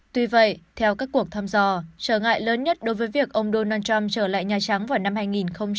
tuy vậy theo các cuộc thăm dò trở ngại lớn nhất đối với việc ông donald trump trở lại nhà trắng vào năm hai nghìn hai mươi năm không phải là đối thủ cạnh tranh